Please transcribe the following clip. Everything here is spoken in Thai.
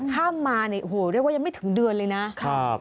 ข้ามมาโหเรียกว่ายังไม่ถึงเดือนเลยนะ